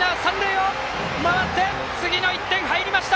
次の１点が入りました！